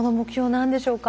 何でしょうか？